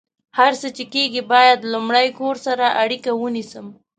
هر څه چې کیږي، باید لمړۍ کور سره اړیکه ونیسم